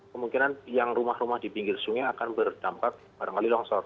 kemungkinan yang rumah rumah di pinggir sungai akan berdampak barangkali longsor